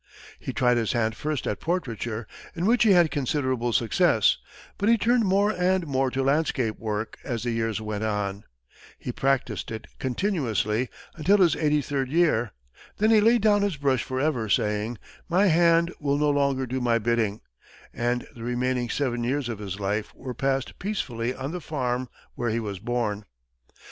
He tried his hand first at portraiture, in which he had considerable success; but he turned more and more to landscape work as the years went on. He practiced it continuously until his eighty third year. Then he laid down his brush forever, saying, "My hand will no longer do my bidding," and the remaining seven years of his life were passed peacefully on the farm where he was born.